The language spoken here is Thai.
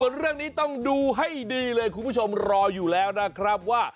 ส่วนเรื่องนี้ต้องดูให้ดีเลยคุณผู้ชมรออยู่แล้วนะครับว่า